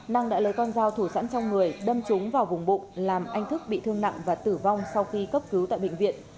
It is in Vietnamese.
năng đã lấy con dao thủ sẵn trong người đâm trúng vào vùng bụng làm anh thức bị thương nặng và tử vong sau khi cấp cứu tại bệnh viện